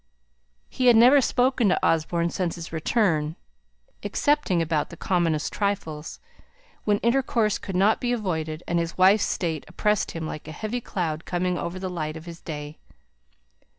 He had never spoken to Osborne since his return, excepting about the commonest trifles, when intercourse could not be avoided; and his wife's state oppressed him like a heavy cloud coming over the light of his day.